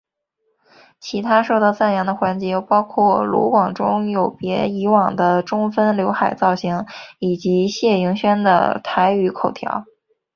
其他受到赞扬的环节包括卢广仲有别以往的中分浏海造型以及谢盈萱的台语口条。